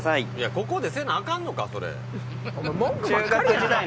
ここでせなアカンのか！